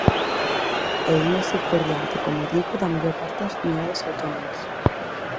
E imos ir por diante, como digo, da maior parte das comunidades autónomas.